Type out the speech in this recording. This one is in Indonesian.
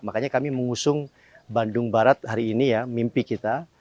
makanya kami mengusung bandung barat hari ini ya mimpi kita